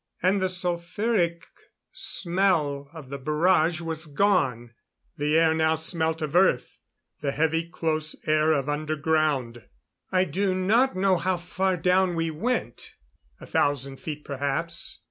And the sulphuric smell of the barrage was gone. The air now smelt of earth the heavy, close air of underground. I do not know how far down we went. A thousand feet perhaps.